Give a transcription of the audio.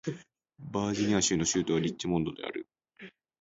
バージニア州の州都はリッチモンドである